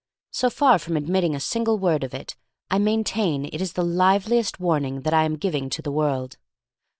So far from admitting a single word of it, I maintain it is the liveliest warning that I am giving to the world.